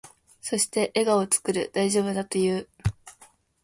そして、笑顔を作る。大丈夫だと言う。